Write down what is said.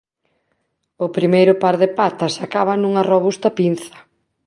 O primeiro par de patas acaba nunha robusta pinza.